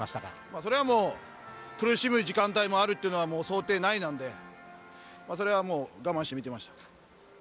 それはもう苦しむ時間帯もあるというのは想定内なんで、それは我慢して見ていました。